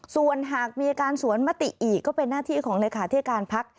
ส่วนหากมีการสวนไหมติอีกก็เป็นหน้าที่ของราคาเทศการภักษ์